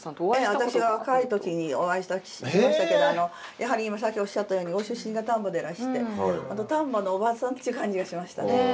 私若い時にお会いしましたけどやはりさっきおっしゃったようにご出身が丹波でいらして丹波のおばさんっていう感じがしました。